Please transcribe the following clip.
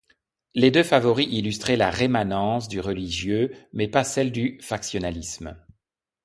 Les deux favoris illustraient la rémanence du religieux, mais pas celle du factionnalisme.